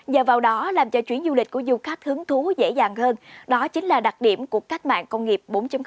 nhờ vào đó làm cho chuyến du lịch của du khách hứng thú dễ dàng hơn đó chính là đặc điểm của cách mạng công nghiệp bốn